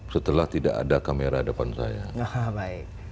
setelah tidak ada kamera depan saya